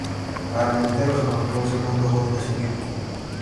Armenteros anotó el segundo gol de su equipo.